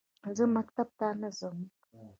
زه مکتب ته نه ځم